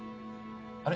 あれ？